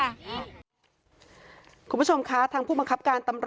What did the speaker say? คุณผู้ชมคะทางผู้บังคับการตำรวจ